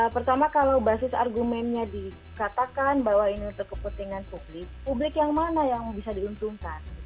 pertama kalau basis argumennya dikatakan bahwa ini untuk kepentingan publik publik yang mana yang bisa diuntungkan